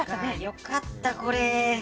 よかった、これ。